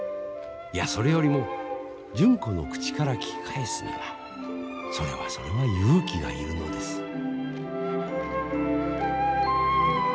いやそれよりも純子の口から聞き返すにはそれはそれは勇気がいるのです。